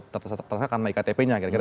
tersangka karena iktp nya